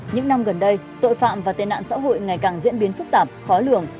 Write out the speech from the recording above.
những năm gần đây tội phạm và tên nạn xã hội ngày càng diễn biến phức tạp khó lường